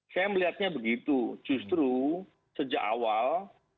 saya melihatnya begitu justru sejak awal